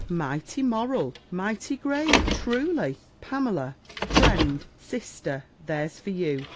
"Mighty moral! mighty grave, truly! Pamela, friend, sister, there's for you!